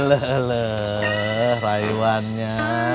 eleh eleh rayuannya